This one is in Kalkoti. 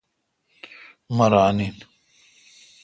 مہ ران این ۔